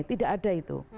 tidak ada itu